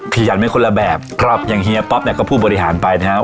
ขยันได้คนละแบบครับอย่างเฮียป๊อปเนี่ยก็ผู้บริหารไปนะครับ